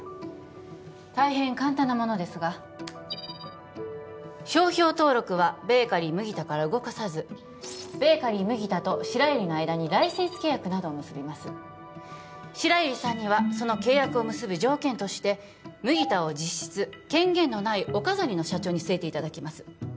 大変簡単なものですが商標登録はベーカリー麦田から動かさずベーカリー麦田と白百合の間にライセンス契約などを結びます白百合さんにはその契約を結ぶ条件として麦田を実質権限のないお飾りの社長に据えていただきます